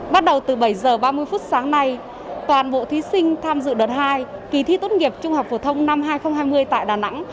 bắt đầu từ bảy h ba mươi phút sáng nay toàn bộ thí sinh tham dự đợt hai kỳ thi tốt nghiệp trung học phổ thông năm hai nghìn hai mươi tại đà nẵng